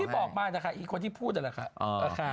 ที่บอกมากนะคะคนที่พูดก็แหละค่ะ